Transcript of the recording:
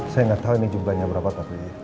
saya gatau ini jumlahnya berapa tapi